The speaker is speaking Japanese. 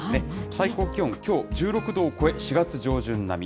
最高気温、きょう１６度を超え、４月上旬並み。